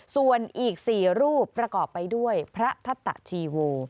ส่วนอีก๔รูปประกอบไปด้วยพระทัตตะชีโว